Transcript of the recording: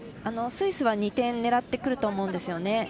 スイスは２点狙ってくると思うんですよね。